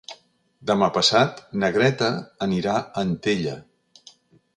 Demà passat na Greta anirà a Antella.